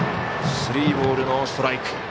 スリーボール、ノーストライク。